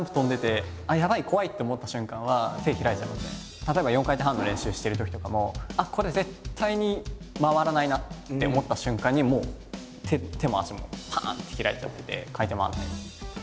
でも僕らも例えば４回転半の練習しているときとかもあっこれ絶対に回らないなって思った瞬間にもう手も足もパン！って開いちゃってて回転回らないです。